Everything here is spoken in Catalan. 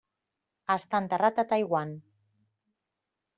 Està enterrat a Taiwan.